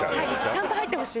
ちゃんと入ってほしい。